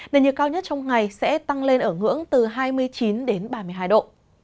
nền nhiệt cao nhất trong ngày sẽ tăng lên ở ngưỡng từ hai mươi chín đến ba mươi hai độ